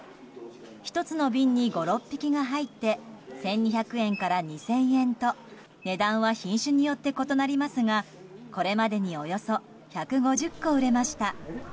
１つの瓶に５６匹が入って１２００円から２０００円と値段は品種によって異なりますがこれまでにおよそ１５０個売れました。